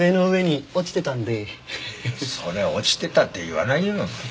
それ落ちてたって言わないよ。